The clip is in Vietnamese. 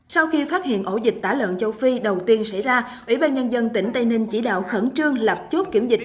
sau khi phát hiện ổ dịch tả lợn châu phi đầu tiên xảy ra ủy ban nhân dân tỉnh tây ninh chỉ đạo khẩn trương lập chốt kiểm dịch